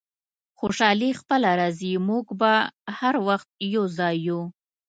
خوشحالي خپله راځي، موږ به هر وخت یو ځای یو.